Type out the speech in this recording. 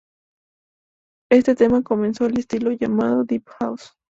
Este tema comenzó el estilo llamado deep house.